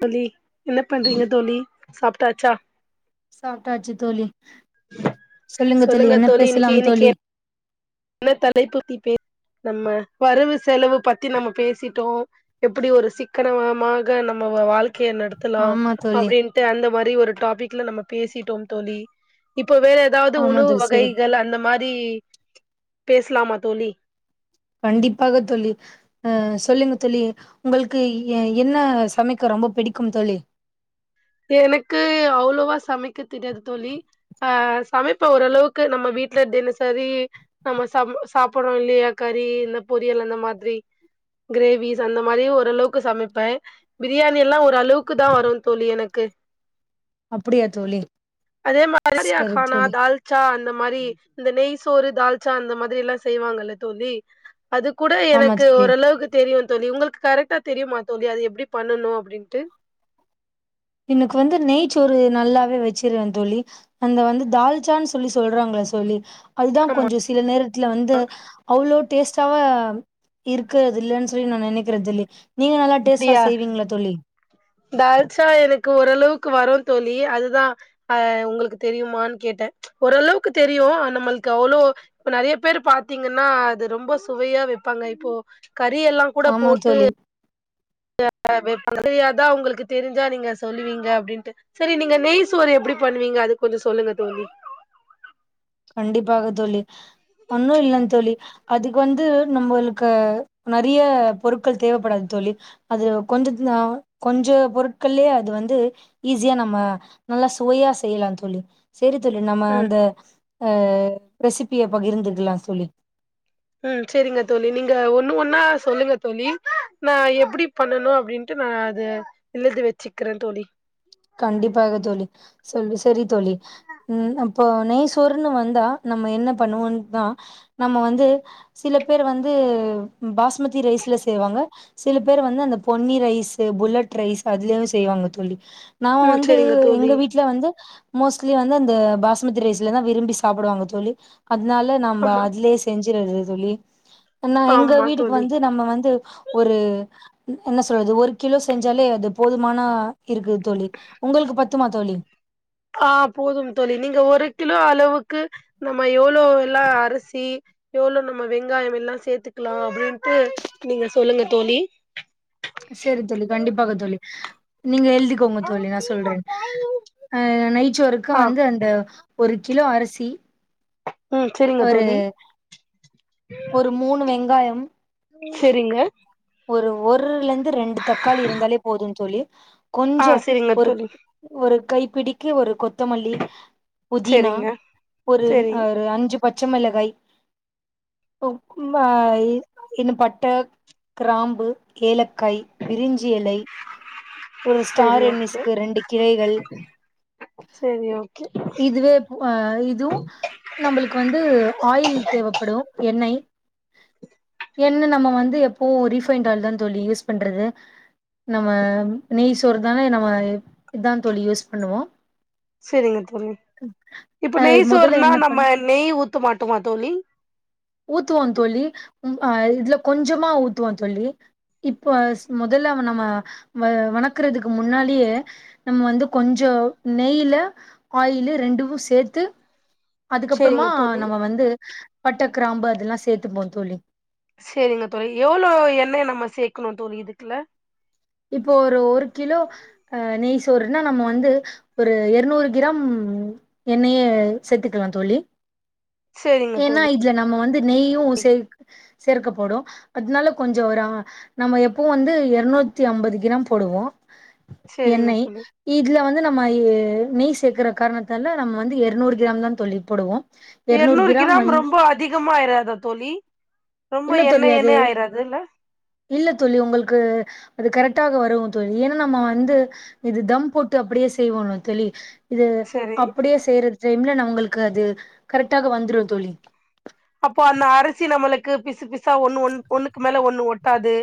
தோழி என்ன பண்றீங்க தோழி சாப்ட்டாச்சா சாப்டாச்சு தோழி சொல்லுங்க தோழி என்ன பேசலாம் தோழி என்ன தலைப்புபத்தி நம்ம வரவு செலவு பத்தி நம்ம பேசிட்டோ எப்படி ஒரு சிக்கனமாக நம்ம வா வாழ்க் ய நடத்தலாம் ஆமா தோழி அப்படின்ட்டு அந்த மாரி ஒரு டாபிக்ல நம்ம பேசிட்டோ தோழி இப்ப வேற ஏதாவது ஆமா உணவு தோழி சரி வகைகள் அந்த மாரி பேசலாமா தோழி கண்டிப்பாக தோழி அஹ் சொல்லுங்க தோழி உங்குளுக்கு என்ன சமைக்க ரொம்ப பிடிக்கும் தோழி எனக்கு அவ்வளவா சமைக்க தெரியாது தோழி ஆ சமைப்ப ஓரளவுக்கு நம்ம வீட்ல தினசரி நம்ம ச சாப்பறோ இல்லையா கறி இந்த பொரியல் அந்த மாரி கிரேவிஸ் அந்த மாரி ஓரளவுக்கு சமைப்பே பிரியாணிலா ஓரளவுக்குதா வரோ தோழி எனக் கு அப்படியா தோழி அதே மாரியா சரி கானா தோழி தால்சா அந் த மாரி இந்த நெய்சோறு தால்ச்சா அந்த மாரிலா செய்வாங்கல்ல தோழி அது கூட ஆமா எனக்கு தோழி ஓரளவுக்கு தெரியோ தோழி உங்களுக்கு கரெக்ட்டா தெரியுமா தோழி அது எப்படி பண்ணணோ அப்படின்ட்டு எனக்கு வந்து நெய் சோறு நல்லாவே வெச்சிருவ தோழி அந்த வந்து தால்ச்சானு சொல்லி சொல்றாங்கள சொல்லி அதுதா ஆமா கொஞ்சோ சில நேரத்துல வந்து அவ்ளோ டேஸ்டாவ இருக்கறது இல்லன்னு சொல்லி நா நெனைக்குறே தோழி நீங்க நல்லா டேஸ்ட்டா அப்படியா செய்வீங்களா தோழி தால்ச்சா எனக்கு ஓரளவுக்கு வரும் தோழி அதுதான் அஹ் உங்களுக்கு தெரியுமான்னு கேட்டேன் ஓரளவுக்கு தெரியும் நம்மளுக்கு அவ்ளவு நறைய பேரு பாத்தீங்கன்னா அது ரொம்ப சுவையா வெப்பாங்க இப்போ கறி எல்லாம் கூட ஆமா போட்டு தோழி [unintelligible] சரியாதான் உங்களுக்கு தெரிஞ்சா நீங்க சொல்லுவீங்க அப்படின்ட்டு சரி நீங்க நெய் சோறு எப்படி பண்ணுவீங்க அது கொஞ்சோ சொல்லுங்க தோழி கண்டிப்பாக தோழி ஒன்னும் இல்லங்க தோழி அதுக்கு வந்து நம்முளுக்கு நறைய பொருட்கள் தேவப்படாது தோழி அது கொஞ்சது ஆ கொஞ்சோ பொருட்கள்யே அது வந்து ஈஸியா நம்ம நல்லா சுவையா செய்யலா தோழி சேரி தோழி நம்ம ம் அந்த அ ரெசிபிய பகிர்ந்துக்கலா தோழி ம் சேரிங்க தோழி நீங்க ஒண்ணு ஒன்னா சொல்லுங்க தோழி நா எப்டி பண்ணணோ அப்டின்ட்டு நா அத எழுதி வெச்சுக்கிற தோழி கண்டிப்பாக தோழி சொல்லு சேரி தோழி ம் ஹப் இப்போ நெய் சோறுன்னு வந்தா நம்ம என்ன பண்ணுவோனா நம்ம வந்து சில பேர் வந்து பாஸ்மதி ரைஸ்ல செய்வாங்க சில பேரு வந்து அந்த பொன்னி ரைஸ் புல்லட் ரைஸ் அதுலயு செய்வாங்க தோழி நாம ம் வந்த செரிங்க தோழி எங்க வீட்ல வந்து மோஸ்ட்லி வந்து அந்த பாஷ் மதி ரைஸ்லதா விரும்பி சாப்புடுவாங்க தோழி அதனால நம்ம ஆமா அதுலயே செஞ்சுடறது தோழி நா எங்க ஆமா வீட்டுக்கு தோழி வந்து நம்ம வந்து ஒரூ என்ன சொல்றது ஒரு கிலோ செஞ்சாலே அது போதுமான இருக்குது தோழி உங்களுக்கு பத்துமா தோழி ஆஹ் போதும் தோழி நீங்க ஒரு கிலோ அளவுக்கு நம்ம எவ்ளோல்லா அரிசி எவ்ளோ நம்ம வெங்காயம் எல்லாம் சேர்த்துக்கலாம் அப்டின்ட்டு நீங்க சொல்லுங்க தோழி சேரி தோழி கண்டிப்பகா தோழி நீங்க எல் திக்கோங்க தோழி நா சொல்றேன் நைச்சோருக்கு ஆ வந்து அந்த ஒரு கிலோ அரிசி ம் செரிங்க ஒரூ தோழி ஒரு மூணு வெங்காயம் சேரிங்க ஒரு ஒரு லஞ்ச ரெண்டு தக்காளி இருந்தாலே போதும் தோழி கொஞ்ச ஆ செரிங்க ஒரு தோழி ஒரு கை பிடிக்கி ஒரு கொத் த்தமல்லி புதினா செரிங்க ஒரு செரி அறு அஞ்சு பச்சமேலகாய் உம் அ இன்னு பட்ட கிராம்பு ஏலக் கை பிரிஞ்சி எலை ஒரு செரி ஸ்டாரு ஓகே நிஸ்கு ரெண்டு கிளைகள் செரி ஓகே இதுவே இதுவு நம்மளுக்கு வந்து ஆயில் தேவப்படு எண்ணெய் என்ன நம்ம வந்து எப் ஓ ரீஃபைண்ட் ஆயில் தா தோழி யூஸ் பண்றது நம்ம நெய் சோறு தானே நம்ம இதான் தோழி யூஸ் பண்ணுவோ சேரிங்க தோழி இப்ப அ நெய் மொதல்ல சோறுனா என்ன பண் நம்ம நெய் ஊத்த மாட்டோமா தோழி ஊத்துவோ தோழி உம் அஹ் இதுல கொஞ்சமா ஊத்துவோ தோழி இப்ப முதல்ல நம்ம வ வணக்கறதுக்கு முன்னாலேயே நம்ம வந்து கொஞ்ச நெய்யில ஆயில்லு ரெண்டு சேர்த்து அதுக்கப்பறமா செரிங்க தோழி நம்ம வந்து பட்டர் கிராம்பு அதெல்லாம் சேர்த்துப்போம் தோழி செரிங்க தோழி எவ்வளோ எண்ணெய்யை நம்ம சேர்க்கணும் தோழி இதுக்குல்ல இப்போ ஒரு ஒரு கிலோ அஹ் நெய் சோறுனா நம்ம வந்து ஒரு எருநூறு கிராம் எண்ணெயே சேத்துக்கலாம் தோழி செரிங்க ஏன்னா தோழி இதுல நம்ம வந்து நெய்யும் சேர்க் சேர்க்கப்படும் அதனால கொஞ்சம் ஒரு அஹ் நம்ம எப்பவும் வந்து எருநூத் நூற்றி ஐம்பது கிராம் போடுவோம் செரிங்க எண்ணெய் தோழி இதுல வந்து ந்து நம்ம இ நெய் சேர்க்கற காரணத்தால நம்ம வந்து எருநூறு கிராம் தான் தோழி போடுவோம் எருநூறு கிராம் ரொம்ப அதிகமா ஆயிறாதா தோழி ரொம்ப இல்ல எண்ணை தோழி அது எண்ணையா ஆயிறாதுல்ல இல்ல தோழி உங்களுக்கு அது கரெக்ட்டாக வருவும் தோழி ஏன்னா நம்ம வந்து இது தம் போட்டு அப்படியே செய்வோம்ல தோழி இது செரி அப்படியே செய்யறது டைம்ல நான் உங்களுக்கு அது கரெக்ட்டாக வந்துடும் தோழி அப்போ அந்த அரசி நம்மளுக்கு பிசு பிசா ஒன்னு ஒன்னு ஒன்னுக் மேல ஒன்னு ஒட்டாது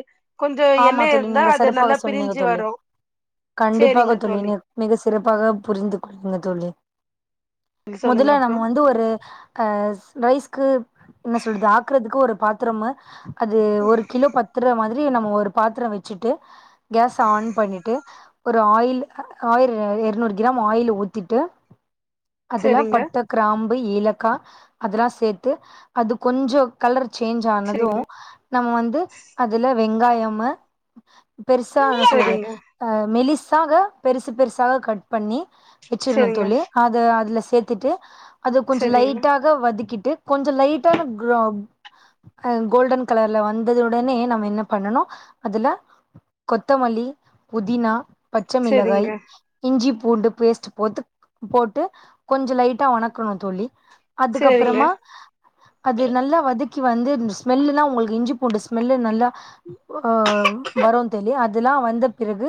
கொஞ்சோ ஆமா எண்ணெய் தோழி இருந்தா நீங்க அது நல்லா செறப்பாக சொன்னீங்க பிரிஞ்சு தோழி வரு கண்டிப்பாக தோழி நீ மிக சிறப்பாக புரிந்து கொண்டீங்க தோழி சொல்லுங்க முதல்ல நம்ம அப்றோ வந்து ஒரு அ ரைஸ்கு என்ன சொல்றது ஆக்குறதுக்கு ஒரு பாத் திரும்ம அது ஒரு கிலோ பத்துர்ர மாதிர் ஜீ நம்ம ஒரு ஒரு பாத்துரோ வெச்சிட்டு கேஸ்ஸ ஆன் பண்ணிட்டு ஒரு ஆயில் அ ஆயிரு எர்நூறு கிராம் ஆயில ஊத்திட்டு அதுல்ல செரிங்க பட்ட கிராம் பு ஏலக்கா அதுல்லா சேத்து அது கொஞ்சோ கலர் சேஞ்ச் ஆனது செரிங்க நம்ம வந்து அதுல வெங்காயம் ம பெருசா என்ன சொல்றது செரிங்க அ மெலிஸ் சாக பெருசு பெருசாக கட் பண்ணி வெச்சிரனு செரிங்க தோழி அத அதுல ஸ் சேத்துட்டு அத கொஞ்சோ செரிங்க லைட்டாக வதக்கிட் டு கொஞ்ச லைட்டான க்ரோம் ஆ கோல்டன் கலர்ல வந்தது உடனே நம்ம என்ன பண்ணனு அதுல கொத்தமல்லி புதினா பச்ச மிளகாய் செரிங்க இஞ்சிப் பூண்டு பேஸ்ட்டு போத்துக் போட்டு கொஞ்சொ லைட்டா வணக்கணு தோழி செரிங்க அதுக்கப்பறமா அது நல்லா வதக் கி வந்து ஸ்மெல்லுலா உங்களுக்கு இஞ்சி பூண்டு ஸ்மெல்லு நல்லா ஆ வரு தேழி அதுல்லா வந்த பிறகு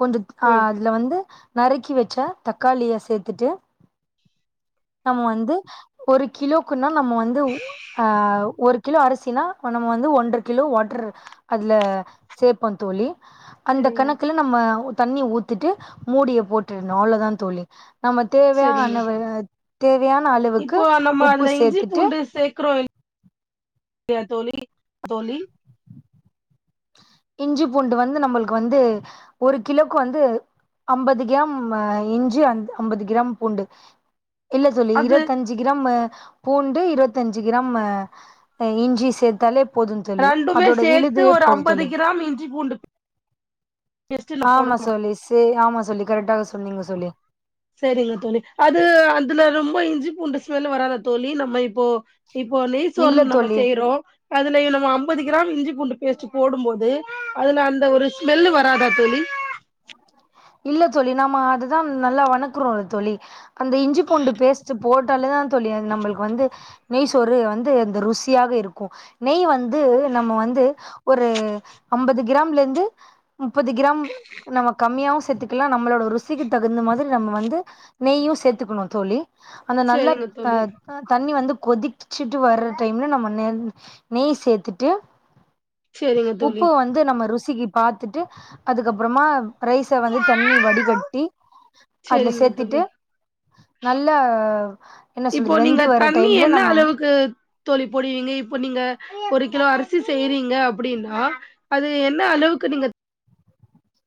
கொஞ்சுத் ஆ ம் அதுல வந்து நறுக்கி வெச்ச தக்காளிய சேத்துட்டு நம்ம வந்து ஒரு கிலோக்குன்னா நம்ம வந்து ஊ ஆ ஒரு கிலோ அரிசினா ப நம்ம வந்து ஒன்ற கிலோ வாட்ரு அ ல்ல சேப்போ தோழி அந்த செரிங்க கணக்குல நம்ம தண்ணி ஊத்திட்டு மூடிய போட்டுர்னு அவ்ளோதா தோழி நம்ம தேவையா செரிங்க அன்னவ தீ இப்போ நம்ம அதுல இஞ்சி பூண்டு சேக்குறோ இ ஏ தோழி தோழி இஞ்சி பூண்டு வந்து நம்மளுக்கு வந்து ஒரு கிலோக்கு வந்து அம்பது கியாம் ஆ இஞ்சி அந் அம்பது கிராம் பூண்டு இல்ல தோழி அது இருவத்தஞ்சி கிராமு பூண்டு இருபத்தஞ்சு கிராம் இஞ்சி சேத்தாலே போது தோழி அதோட விழுது போது தோழி ம் இஞ்சிபூண்டு பேஸ்ட்டு இதுல ஆமா போடணுமா தோழி சே ஆமா சொலி கரெக்டாக சொன்னீங்க சொலி இப்ப இஞ்சிபுண்டு ஸ்மெல் வராதா தோழி நம்ம இப் இப்போ இப்போ நெய்சோறு இல்ல நம்ம தோழி செய்யறோ அதுலயே நம்ம அம்பது கிராம் இஞ்சி பூண்டு பேஸ்ட்டு போடுபோது அதுல அந்த ஒரு ஸ்மெல்லு வராதா தோழி இல்ல தோழி நாம அதுதா நல்லா வணக்குறோல தோழி அந்த இஞ்சிபூண்டு பேஸ்ட் போ ட்டாலே தா தோழி நம்மளுக்கு வந்து நெய் சோறு வந்து இந்த ருசியாகவே இருக்கு நெய் வந் து நம்ம வந்து ஒரு அம்பது கிராம் லேருந்து முப்பது கிராம் நம்ம கம்மியாவு சேத்துக்கலா நம்மளோட ருசிக்கு தகுந்த மாரி நம்ம வந்து நெய்யு சேத்துக்கணு தோழி அந்த நல்ல செரிங்க தோழி ஆஹ் தண்ணி வந்து கொதிக் புடிச்சிட்டு வர்ற டைம்ல நம்ம நே நெய் சேத்துட்டு செரிங்க உப்பு தோழி வந்து நம்ம ரு சிக்கி பாத்துட்டு அதுக்கப்புறமா ரைஸ வந்து வடிகட்டி அதுல செரிங்க தோழி சேத்துட்டு நல்லா என்ன இப்போ சொல்றது நீங்க வெந்து வர தண்ணி டைம்ல என்ன நம்ம அளவுக்கு தோழி போடுவீங்க இப்போ நீங்க ஒரு கிலோ அரிசி செய்றீங்க அப்டின்னா அது என்ன அளவுக்கு நீங்க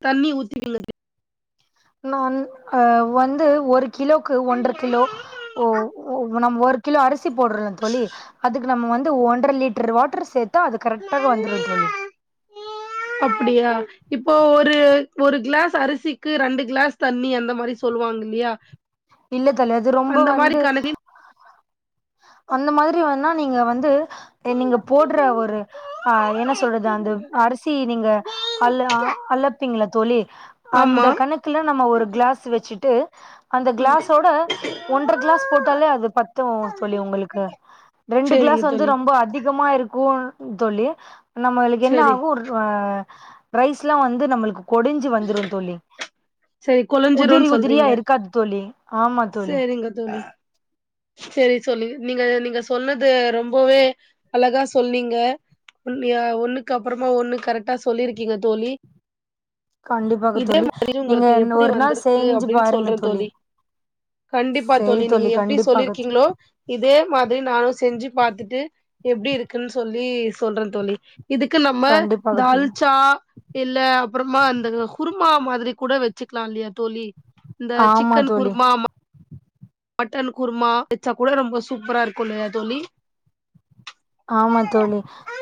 தண்ணி ஊத்திவீங்க நா ஆஹ் வந்து ஒரு கிலோக்கு ஒன்றர கிலோ ஓ நம் ஒரு கிலோ அரி சி போடுறே தோழி அதுக்கு நம்ம வந்து ஒன்றர லிட்டர் வாட்டுரு சேத்தா அது கரெக்டாக வந்துடு தோழி அப்டியா இப்போ ஒரு ஒரு கிளாஸ் அரிசிக்கு ரெண்டு கிளாஸ் தண்ணி அந்த மாரி சொல்லுவாங்க இல்லியா இல்ல தோழி அது ரொம்ப வந்து கணக்கின் அந்த மாத்ரி வேணா நீங்க வந்து நீங்க போடுற ஒரு ஆஹ் என்ன சொல்றது அந்த அரிசி நீங்க அள்ள அளப் ப்பீங்களா தோழி அந்த ஆமா கணக்கெல்லா நம்ம ஒரு கிளாஸ் வச்சுட்டு அந்த ம் கிளாஸோட ஒன்ற கிளாஸ் போட்டாலே அது பத்து தோழி உங்களுக்கு ரெண்டு சேரிங்க கிளாஸ் வந்து தோழி ரொம்ப அதி அதிகமா இருக்கு தோழி நம்மளுக்கு என்ன சேரி ஆகு ஒர் ஆ ரைஸ்லா வந்து நம்மளுக்கு கொடிஞ்சு வந்துரு தோழி சேரி உதிரி கொலஞ்சிருன் உதிரியா சொல்றீங்க இருக்காது தோழி ஆமா தோழி சேரிங்க தோழி சேரி சொல்லி நீங்க நீங்க சொன்னது ரொம்பவே அழகா சொன்னீங்க ஒன் ய ஒண்ணுக்கு அப்பறமா ஒண்ணு கரட்டா சொல்லிருக்கீங்க தோழி கண்டிப்பாக இதே தோழி மாதிரி நீங்க உங்களுக்கு இன் எப்டி ஒரு நாள் வந்திருக்கு செஞ்சு அப்டின்னு பாருங்க சொல்றே தோழி சேரி தோழி கண்டிப் சொல்லிர்க்கீங்களோ இதே மாதிரி நானு செஞ்சி பாத்துட்டு எப்டி இருக்குன் சொல்லி சொல்ற தோழி இதுக்கு நம்ம கண்டிப்பாக தோழி தால்ச்சா இல்ல அப்பறமா அந்த குருமா மாதிரி கூட வெச்சிக்கலா இல்லயா தோழி இந்த ஆமா சிக்கன் தோழி குருமா ம மட்டன் குருமா வெச்சா கூட ரொம்ப சூப்பரா இருக்கு இல்லயா தோழி ஆமா தோழி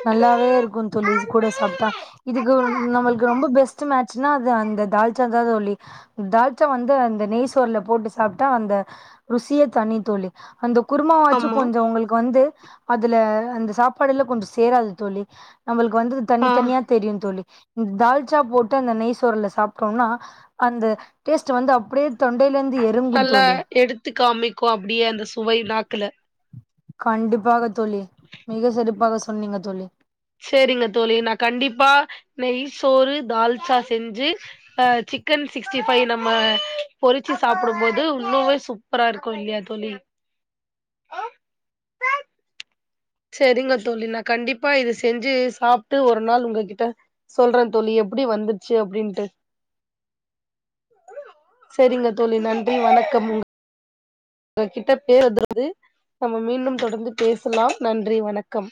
நல்லாவே இருக்கு தோழி இது கூட சாப்ட்டா இதுக்கு நம்மளுக்கு ரொம்ப பெஸ்ட் மேட்ச்னா அது அந்த தால்ச்சா தா தோழி தால்ச்சா வந்து அந்த நெய்சோர்ல போட்டு சாப்ட்டா அந்த ருசியே தனி தோழி அந்த குருமா வாச்சு ஆமா கொஞ்ச உங்களுக்கு வந்து அதுல அந்த சாப்பாடுல்லா கொஞ்ச சேராது தோழி நம்மளுக் வந்து தனி ஆ தனியா தெரியு தோழி தால்ச்சா போட்டு அந்த நெய் சோறுல சாப்ட்டோம்னா அந்த டேஸ்ட் வந்து அப்படியே நல்லா எடுத்து காமிக்கு அப்படியே அந்த சுவை நாக்குல கண்டிப்பாக தோழி மிக சிறப்பாக சொன்னிங்க தோழி செரிங்க தோழி நா கண்டிப்பா நெய் சோறு தால்சா செஞ்சு அ சிக்கன் சிக்ஸ்டி ஃபைவ் நம்ம பொறிச்சு சாப்பிடும்போது இன்னமே சூப்பரா இருக்கு இல்லியா தோழி செரிங்க தோழி நா கண்டிப்பா இது செஞ்சு சாப்ட்டு ஒரு நாள் உங்ககிட்ட சொல்ற தோழி எப்படி வந்துச்சு அப்டின்ட்டு செரிங்க தோழி நன்றி வணக்கம் உங்க கிட்ட பேசுனதுல நம்ம மீண்டும் தொடர்ந்து பேசலாம் நன்றி வணக்கம்